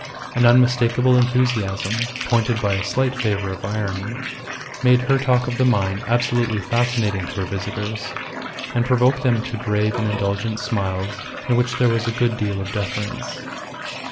An unmistakable enthusiasm, pointed by a slight flavour of irony, made her talk of the mine absolutely fascinating to her visitors, and provoked them to grave and indulgent smiles in which there was a good deal of deference.